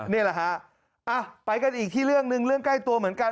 นี่แหละฮะไปกันอีกที่เรื่องหนึ่งเรื่องใกล้ตัวเหมือนกัน